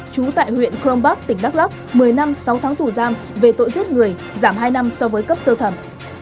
chú tại huyện krombach tỉnh đắk lóc một mươi năm sáu tháng thủ giam về tội giết người giảm hai năm so với cấp sơ thẩm